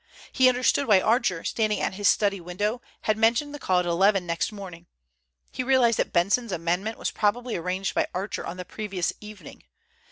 He understood why Archer, standing at his study window, had mentioned the call at eleven next morning. He realized that Benson's amendment was probably arranged by Archer on the previous evening.